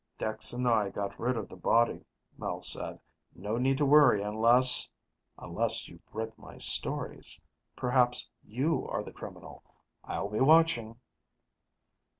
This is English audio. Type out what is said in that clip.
"Dex and I got rid of the body," Mel said. "No need to worry unless ... unless you've read my stories. Perhaps you are the criminal. I'll be watching."